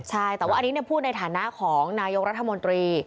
ใช่แต่ว่าอันนี้พูดในฐานะของนายกรัฐมนตรี